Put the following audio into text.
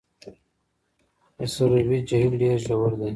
د سروبي جهیل ډیر ژور دی